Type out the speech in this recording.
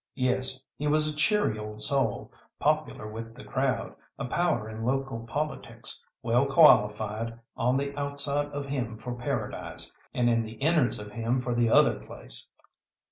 Yes, he was a cheery old soul, popular with the crowd, a power in local politics, well qualified on the outside of him for paradise, and in the innards of him for the other place.